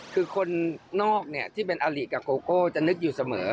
คือคนนอกที่เป็นอลิกับโกโก้จะนึกอยู่เสมอ